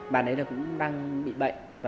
bạn ấy là cũng đang bị bệnh